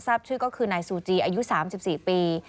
ชื่อก็คือนายซูจีอายุ๓๔ปี